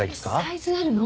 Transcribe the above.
サイズあるの？